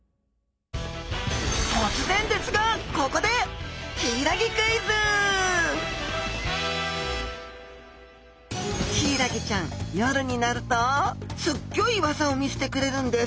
突然ですがここでヒイラギちゃん夜になるとすっギョい技を見せてくれるんです。